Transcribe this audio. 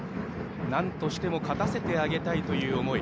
なんとしても勝たせてあげたいという思い。